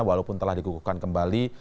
walaupun telah dikukuhkan kembali